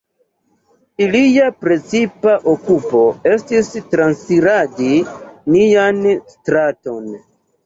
Ilia precipa okupo estis transiradi nian straton.